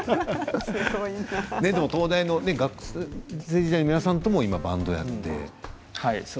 東大の学生時代の皆さんとも今バンドをやって。